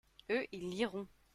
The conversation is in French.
eux, ils liront.